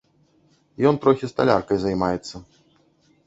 Ён трохі сталяркай займаецца.